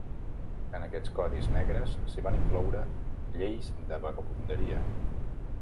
En aquests Codis Negres s'hi van incloure lleis de vagabunderia.